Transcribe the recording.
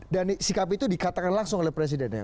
dan sikap itu dikatakan langsung oleh presiden ya